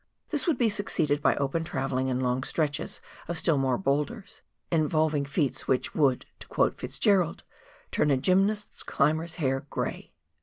This would be succeeded by open travelling and long stretches of still more boulders, involving feats which would, to quote Fitzgerald, " turn a gymnast climber's hair grey."